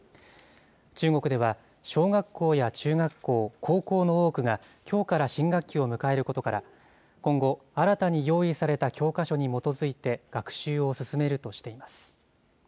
中国では、小学校や中学校、高校の多くがきょうから新学期を迎えることから、今後、新たに用意された教科書に基づいて学習を進めるとしています。